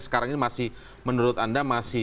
sekarang ini masih menurut anda masih